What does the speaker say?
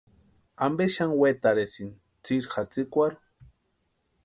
¿Ampe xani wetarhisïni tsiri jatsikwarhu?